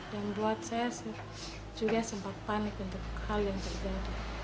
dan buat saya juga sempat panik untuk hal yang terjadi